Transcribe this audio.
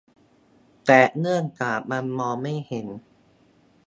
แต่เนื่องจากมันมองไม่เห็น